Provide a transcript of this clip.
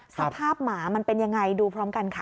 หมามันเป็นยังไงดูพร้อมกันค่ะ